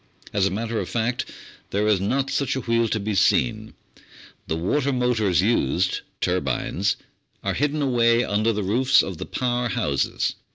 As a matter of fact, there is not such a wheel to be seen, the water motors used turbines are hidden away under the roofs of the power houses.